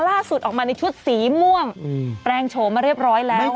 ล่าสุดออกมาในชุดสีม่วงแปลงโฉมมาเรียบร้อยแล้ว